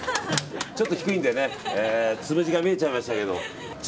ちょっと低いんでつむじが見えちゃいまいたけども。